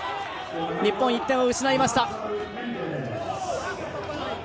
日本、１点を失いました。